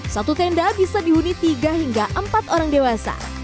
satu tenda bisa dihuni tiga hingga empat orang dewasa